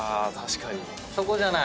そこじゃない？